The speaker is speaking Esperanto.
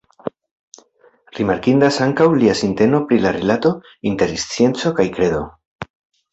Rimarkindas ankaŭ lia sinteno pri la rilatoj inter scienco kaj kredo.